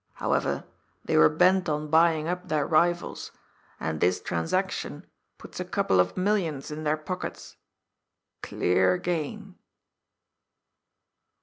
However, they were bent on buying up their rivals, and this trans action puts a couple of millions in their pockets. Clear gain."